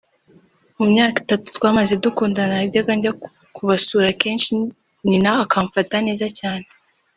mu myaka itatu twamaze dukundana najyaga njya kubasura kenshi nyina akamfata neza cyane